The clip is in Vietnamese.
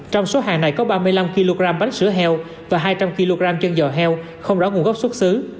trong số hàng này có ba mươi năm kg bánh sữa heo và hai trăm linh kg chân giò heo không rõ nguồn gốc xuất xứ